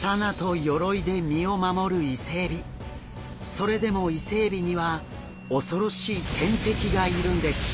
それでもイセエビには恐ろしい天敵がいるんです。